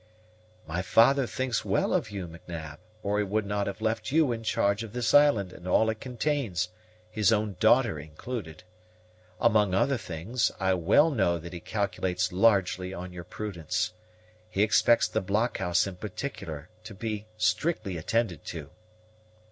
"My father thinks well of you, M'Nab, or he would not have left you in charge of this island and all it contains, his own daughter included. Among other things, I well know that he calculates largely on your prudence. He expects the blockhouse in particular to be strictly attended to."